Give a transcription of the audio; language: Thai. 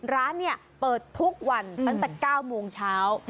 ร้านเนี่ยเปิดทุกวันตั้งแต่๙โมงเช้า